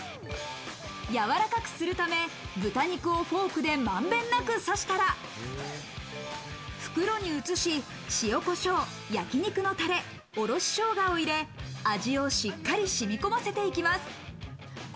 やわらかくするため、豚肉をフォークで満遍なく刺したら、袋に移し、塩コショウ、焼肉のたれ、おろし生姜を入れ味をしっかり染み込ませていきます。